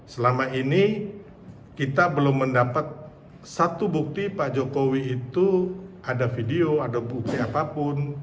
selama ini kita belum mendapat satu bukti pak jokowi itu ada video ada bukti apapun